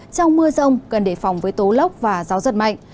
trong mưa rông gần đề phòng với tố lóc và gió giật mạnh